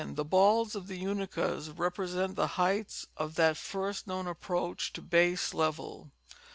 The balds of the Unakas represent the heights of that first known approach to a base level.